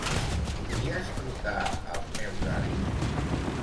Podries trucar als meus avis?